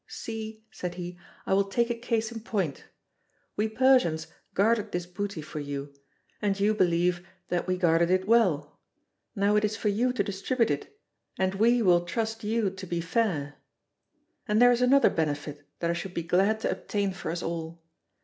See," said he, "I will take a case in point. We Persians guarded this booty for you, and you believe that we guarded it well: now it is for you to distribute it, and we will trust you to be fair. And there is another benefit that I should be glad to obtain for us all.